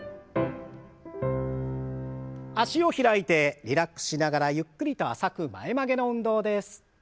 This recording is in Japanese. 脚を開いてリラックスしながらゆっくりと浅く前曲げの運動です。